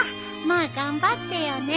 まあ頑張ってよね